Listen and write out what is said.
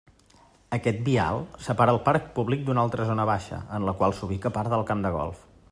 Aquest vial separa el parc públic d'una altra zona baixa, en la qual s'ubica part del camp de golf.